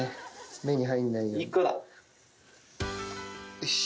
よし。